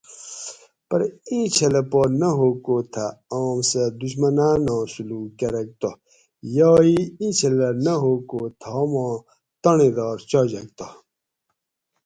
پرہ ایں چھلہ پا نہ ھوگ کو تھہ ام سہ دُشمناناں سلوک کرگ تہ یا اِیں چھلہ نہ ھوگ کو تھاما تانڑیدار چاجگ تہ